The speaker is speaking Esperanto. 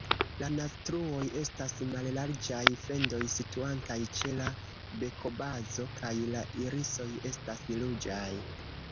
La naztruoj estas mallarĝaj fendoj situantaj ĉe la bekobazo, kaj la irisoj estas ruĝaj.